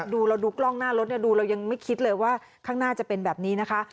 เพราะว่าดูเรายังไม่คิดเลยว่าข้างหน้าจะเป็นแบบนี้นะคะ